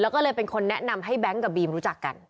แล้วก็เลยเป็นคนแนะนำให้แบงค์กับบีมรู้จักกัน